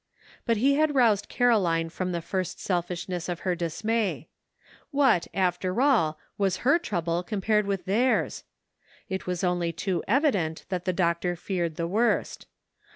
But he had roused Caroline from the first selfishness of her dismay; what, after all, was her trouble com pared with theirs? It was only too evident that the doctor feared the worst.